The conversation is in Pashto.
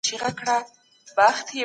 نو هیڅ ځواک مو نشي ماتولی.